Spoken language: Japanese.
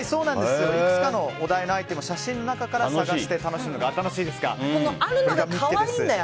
いくつかのお題のアイテムを写真の中から探して楽しむが楽しいそれが「ミッケ！」です。